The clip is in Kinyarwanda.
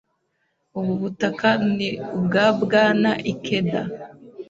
Ubu butaka ni ubwa Bwana Ikeda.